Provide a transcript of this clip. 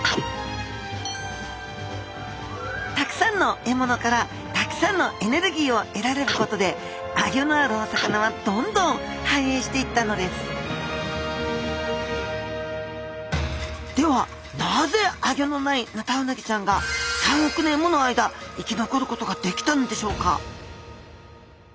たくさんの獲物からたくさんのエネルギーを得られることでアギョのあるお魚はどんどんはんえいしていったのですではなぜアギョのないヌタウナギちゃんが３億年もの間生き残ることができたのでしょうか？